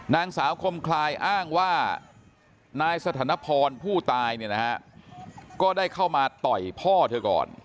นางสาวคมคลายอ้างว่านายสถานพรผู้ตายเนี่ยนะฮะก็ได้เข้ามาต่อยพ่อเธอก่อน